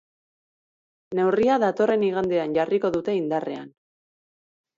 Neurria datorren igandean jarriko dute indarrean.